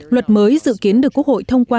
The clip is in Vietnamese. luật mới dự kiến được quốc hội thông qua